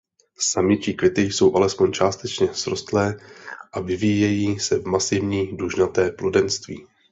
Samičí květy jsou alespoň částečně srostlé a vyvíjejí se v masivní dužnaté plodenství.